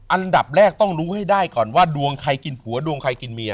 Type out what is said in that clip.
อันดับแรกต้องรู้ให้ได้ก่อนว่าดวงใครกินผัวดวงใครกินเมีย